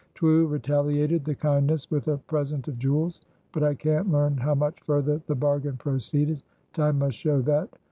Twoo retaliated the kindnesse with a present of Jewells; but I can't learn how much further the bargain proceeded; time must shew that....